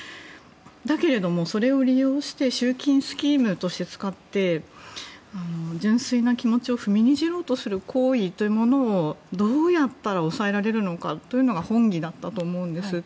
だけど、それを利用して集金スキームとして使って純粋な気持ちを踏みにじろうとする行為をどうやったら抑えられるのかというのが本義だったと思うんです。